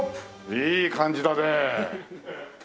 いい感じだね。